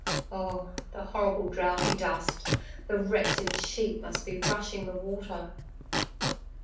Oh, the horrible droughty dust! the wretched sheep must be rushing the water.